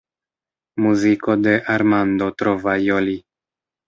Muziko de Armando Trovajoli.